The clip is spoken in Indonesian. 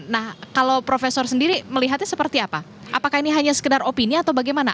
nah kalau profesor sendiri melihatnya seperti apa apakah ini hanya sekedar opini atau bagaimana